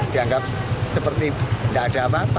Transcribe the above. dianggap seperti tidak ada apa apa